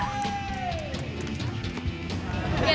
dki jakarta dan jawa tengah